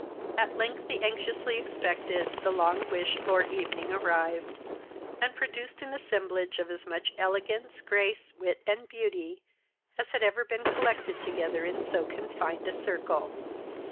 At length the anxiously expected, the long wished for evening arrived, and produced an assemblage of as much elegance, grace, wit, and beauty, as had ever been collected together in so confined a circle.